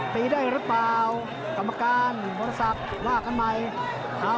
ตีได้หรือเปล่ากรรมการมอเทศัพท์ว่ากันใหม่